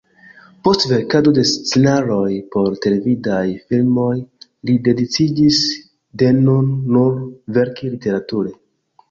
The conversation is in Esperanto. Post verkado de scenaroj por televidaj filmoj li decidiĝis de nun nur verki literature.